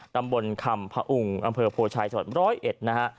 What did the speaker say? ตำบลคำผุงอำเภอโพชัยจังหวัด๑๐๑นะฮะ